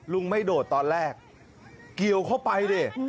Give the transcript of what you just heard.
ไม่โดดตอนแรกเกี่ยวเข้าไปดิ